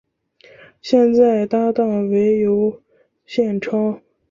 现在搭档为尤宪超。